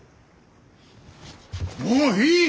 もういい！